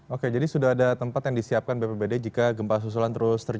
oke jadi sudah ada tempat yang disiapkan bpbd jika gempa susulan terus terjadi